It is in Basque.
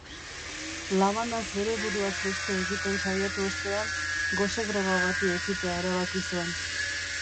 Labanaz bere buruaz beste egiten saiatu ostean, gose-greba bati ekitea erabaki zuen.